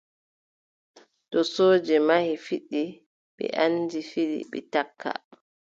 To sooje mahi fiɗi, ɓe anndi fiɗi, ɓe takka.